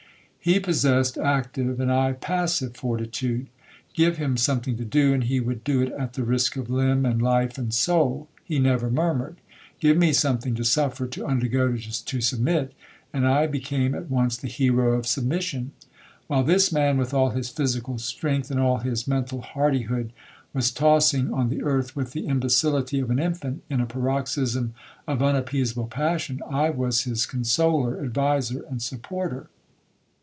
He possessed active, and I passive fortitude. Give him something to do, and he would do it at the risk of limb, and life, and soul,—he never murmured. Give me something to suffer, to undergo, to submit, and I became at once the hero of submission. While this man, with all his physical strength, and all his mental hardihood, was tossing on the earth with the imbecility of an infant, in a paroxysm of unappeasable passion, I was his consoler, adviser, and supporter.